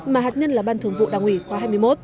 mà hạt nhân là ban thường vụ đảng ủy qua hai mươi một